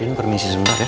ini permisi sebentar ya